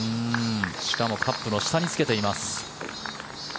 しかもカップの下につけています。